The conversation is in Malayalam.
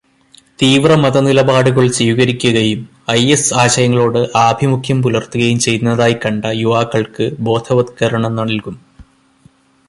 തീവ്രമതനിലപാടുകൾ സ്വീകരിക്കുകയും ഐഎസ് ആശയങ്ങളോട് ആഭിമുഖ്യം പുലർത്തുകയും ചെയ്യുന്നതായി കണ്ട യുവാക്കൾക്ക് ബോധവത്കരണം നൽകും.